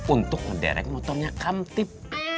untuk ngederek motornya kamtip